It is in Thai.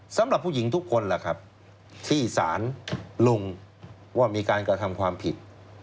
สำหรับผู้หญิงทุกคนล่ะครับที่สารลงว่ามีการกระทำความผิด